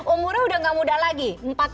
umurnya udah gak muda lagi